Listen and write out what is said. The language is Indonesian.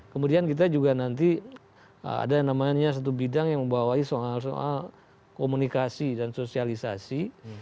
kemudian kita juga nanti ada yang namanya satu bidang yang membawai soal soal komunikasi dan sosialisasi